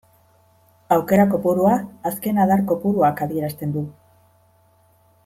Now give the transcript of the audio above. Aukera kopurua azken adar kopuruak adierazten du.